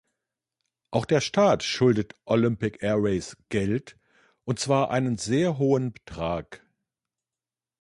Auch der Staat schuldet Olympic Airways Geld, und zwar einen sehr hohen Betrag.